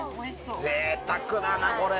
ぜいたくだなこれ。